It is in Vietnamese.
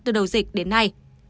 từ đầu dịch đến nay